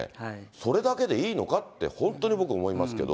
それだけでいいのかって、本当に僕、思いますけど。